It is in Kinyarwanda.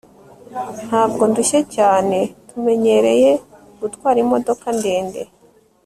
ntabwo ndushye cyane. tumenyereye gutwara imodoka ndende